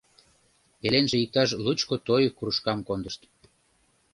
Пеленже иктаж лучко той кружкам кондышт.